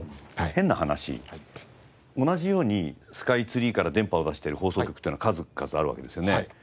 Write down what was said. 変な話同じようにスカイツリーから電波を出してる放送局っていうのは数々あるわけですよね。